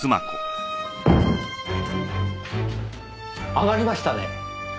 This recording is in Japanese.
上がりましたね。